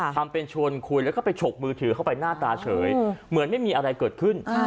ทำเป็นชวนคุยแล้วก็ไปฉกมือถือเข้าไปหน้าตาเฉยเหมือนไม่มีอะไรเกิดขึ้น